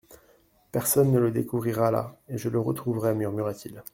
Personne ne le découvrira là, et je le retrouverai ! murmura-t-il.